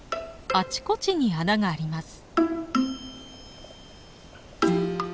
あちこちに穴があります。